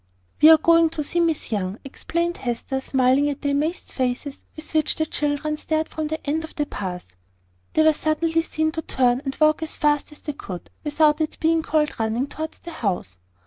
"We are going to see Miss Young," explained Hester, smiling at the amazed faces with which the children stared from the end of the path. They were suddenly seen to turn, and walk as fast as they could, without its being called running, towards the house.